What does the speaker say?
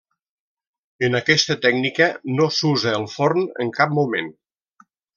En aquesta tècnica no s'usa el forn en cap moment.